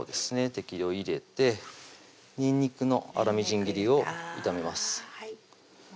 適量入れてにんにくの粗みじん切りを炒めます